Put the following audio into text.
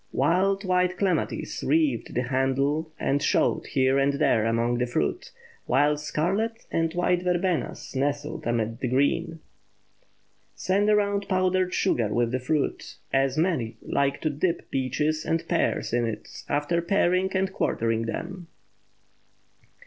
Wild white clematis wreathed the handle and showed here and there among the fruit, while scarlet and white verbenas nestled amid the green. Send around powdered sugar with the fruit, as many like to dip peaches and pears in it after paring and quartering them.